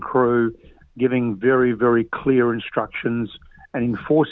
memberikan instruksi yang sangat jelas